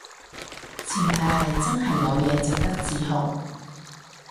前提係真係有嘢值得自豪